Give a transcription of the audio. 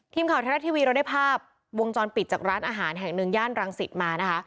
ทีมข่าวไทยรัฐทีวีเราได้ภาพวงจรปิดจากร้านอาหารแห่งหนึ่งย่านรังสิตมานะคะ